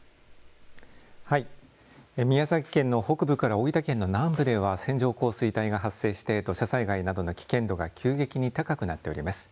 はい、宮崎県の北部から大分県の南部では線状降水帯が発生して土砂災害などの危険度が急激に高くなっております。